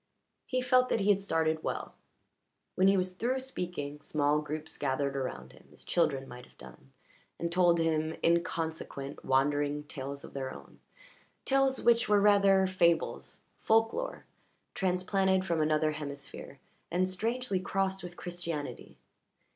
He felt that he had started well; when he was through speaking small groups gathered around him as children might have done, and told him inconsequent, wandering tales of their own tales which were rather fables, folklore transplanted from another hemisphere and strangely crossed with Christianity.